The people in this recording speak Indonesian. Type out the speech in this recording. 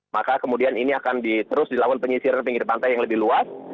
maka kemudian ini akan terus dilakukan penyisiran pinggir pantai yang lebih luas